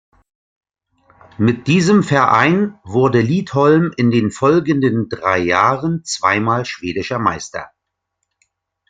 Mit diesem Verein wurde Liedholm in den folgenden drei Jahren zweimal schwedischer Meister.